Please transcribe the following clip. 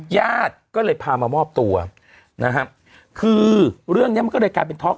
ญาติก็เลยพามามอบตัวนะฮะคือเรื่องเนี้ยมันก็เลยกลายเป็นท็อก